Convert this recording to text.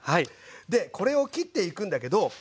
でこれを切っていくんだけどこれもね